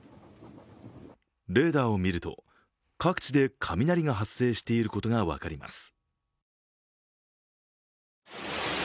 レーダーを見ると、各地で雷が発生していることが分かります。